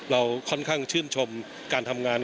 เราค่อนข้างชื่นชมการทำงาน